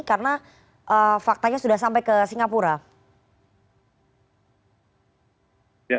karena faktanya sudah sampai ke singapura